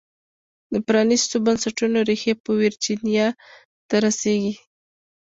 د پرانیستو بنسټونو ریښې په ویرجینیا ته رسېږي.